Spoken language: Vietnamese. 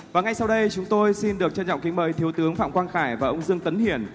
và ngay sau đây chúng tôi xin được trân trọng kính mời thiếu tướng phạm quang khải và ông dương tấn hiển